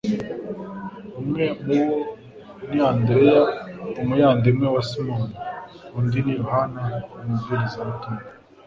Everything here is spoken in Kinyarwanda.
Umwe muri bo ni Andreya umuyandimwe wa Simoni; undi ni Yohana umubwirizabutumwa.